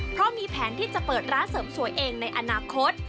เพราะมีแผนที่จะเปิดร้านเสริมสวยเองในอนาคต